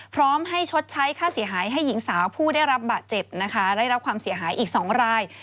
พร้อมให้ชดใช้ค่าเสียหายให้หญิงสาวผู้ได้รับบาดเจ็บนะคะได้รับความเสียหายอีก๒ราย